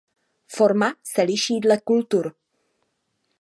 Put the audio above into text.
Forma se liší dle kultur.